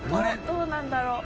「どうなんだろう？」